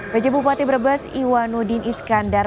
pj bupati brebes iwanudin iskandar